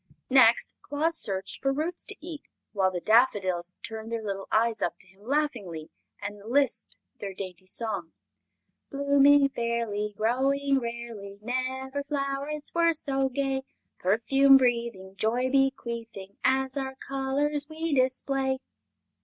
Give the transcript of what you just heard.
Next Claus searched for roots to eat, while the daffodils turned their little eyes up to him laughingly and lisped their dainty song: "Blooming fairly, growing rarely, Never flowerets were so gay! Perfume breathing, joy bequeathing, As our colors we display."